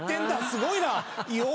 すごいな！よ！